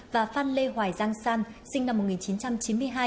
và phan lê hoài giang san sinh năm một nghìn chín trăm chín mươi hai